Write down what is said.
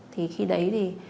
thì khi đấy thì